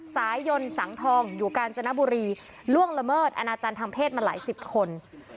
สายยนต์สังทองอยู่กาญจนบุรีล่วงละเมิดอนาจารย์ทางเพศมาหลายสิบคน